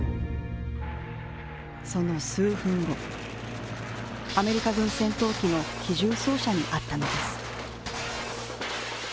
その数分後、アメリカ軍戦闘機の機銃掃射にあったのです。